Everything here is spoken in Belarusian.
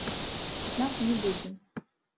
І знаку не будзе.